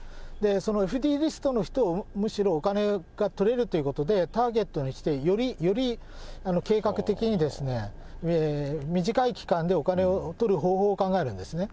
そのＦＤリストの人をむしろお金が取れるということで、ターゲットにして、より計画的に、短い期間でお金を取る方法を考えるんですね。